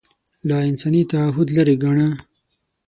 له انساني تعهد لرې ګاڼه